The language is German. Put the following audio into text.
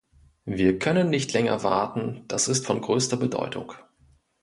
Wir können nicht länger warten das ist von größter Bedeutung.